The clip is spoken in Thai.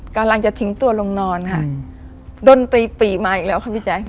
กำลังจะทิ้งตัวลงนอนค่ะดนตรีปี่มาอีกแล้วค่ะพี่แจ๊ค